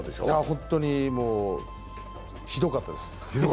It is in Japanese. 本当にひどかったです。